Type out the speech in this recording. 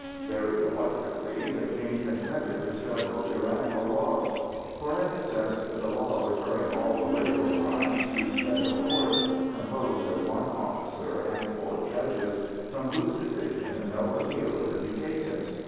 Very reluctantly the King consented to several tyrannical laws,—for instance, the law referring all political crimes to special courts, composed of one officer and four judges, from whose decision no appeal could be taken.